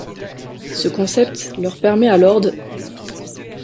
Ce concept leur permet alors d'.